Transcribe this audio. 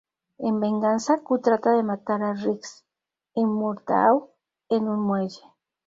En venganza, Ku trata de matar a Riggs y Murtaugh en un muelle.